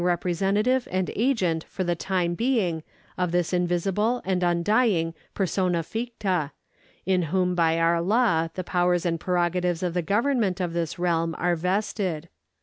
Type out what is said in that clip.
representative and agent for the time being of this invisible and undying persona ficta, in whom by our law the powers and prerogatives of the government of this realm are vested.